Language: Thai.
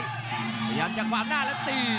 พยายามจะขวางหน้าแล้วตี